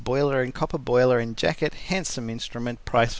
Boiler al Copper Boiler and Jacket, handsome instrument Price 1.